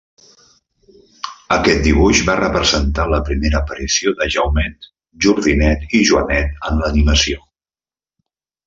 Aquest dibuix va representar la primera aparició de Jaumet, Jordinet i Joanet en l'animació.